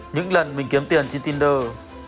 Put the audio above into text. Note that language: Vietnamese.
những lần mình kiếm tiền trên tinder